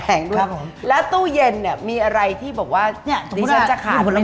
แพงด้วยแล้วตู้เย็นเนี่ยมีอะไรที่บอกว่ารีเซ็นต์จะขาดไม่ได้